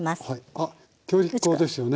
あっ強力粉ですよね？